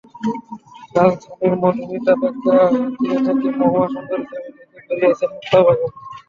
রাজধানীর মধুমিতা প্রেক্ষাগৃহ থেকে মহুয়া সুন্দরী ছবি দেখে বেরিয়েছেন মুক্তা বেগম।